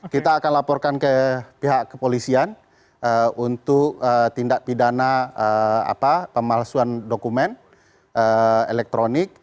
kita akan laporkan ke pihak kepolisian untuk tindak pidana pemalsuan dokumen elektronik